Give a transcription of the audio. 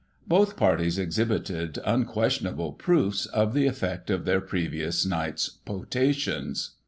Both parties exhibited unquestionable proofs of the effect of their previous night's potations.